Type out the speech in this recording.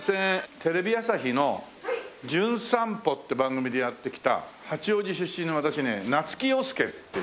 テレビ朝日の『じゅん散歩』って番組でやって来た八王子出身の私ね夏木陽介っていう。